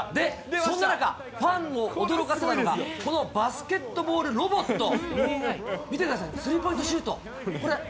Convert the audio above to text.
そんな中、ファンを驚かせたのが、このバスケットボールロボット、見てください、スリーポイントシュート。